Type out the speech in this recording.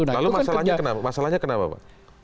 lalu masalahnya kenapa